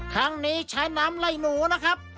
ทั้งนี้ใช้น้ำไล่หนูนะครับ